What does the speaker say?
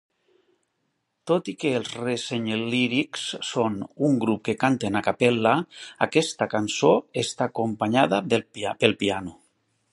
Tot i que els Rensselyrics son un grup que canten a cappella, aquesta cançó està acompanyada pel piano.